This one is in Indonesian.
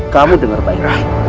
kamu dengar baiknya